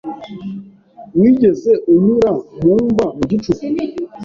Wigeze unyura mu mva mu gicuku?